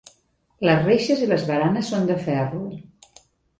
Les reixes i les baranes són de ferro.